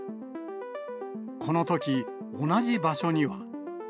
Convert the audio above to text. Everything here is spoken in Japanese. このとき、同じ場所には。